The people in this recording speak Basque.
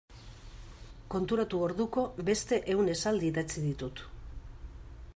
Konturatu orduko beste ehun esaldi idatzi ditut.